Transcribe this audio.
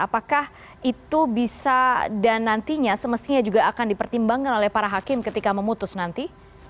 apakah itu bisa dan nantinya semestinya juga akan dipertimbangkan oleh para hakim ketika memutus nanti